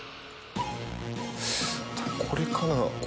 これかな？